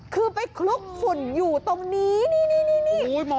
กุมพี่ยอม